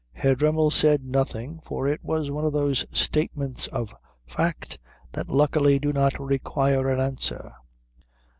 Herr Dremmel said nothing, for it was one of those statements of fact that luckily do not require an answer.